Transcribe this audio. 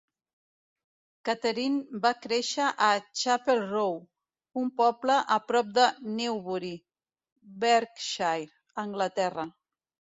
Catherine va créixer a Chapel Row, un poble a prop de Newbury, Berkshire, Anglaterra.